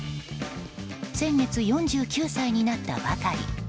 先月４９歳になったばかり。